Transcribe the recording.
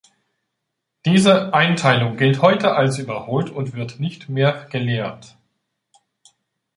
Diese Einteilung gilt heute als überholt und wird nicht mehr gelehrt.